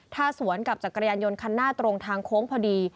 ถ้าสวนกับจักรยานยนต์คันหน้าตรงทางโค้งพอดี